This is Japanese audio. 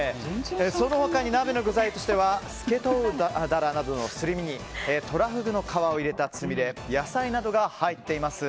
その他に鍋の具材としてはスケトウダラなどトラフグの皮を入れたつみれ野菜などが入っています。